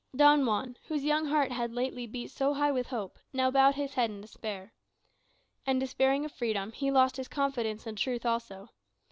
Don Juan, whose young heart had lately beat so high with hope, now bowed his head in despair. And despairing of freedom, he lost his confidence in truth also.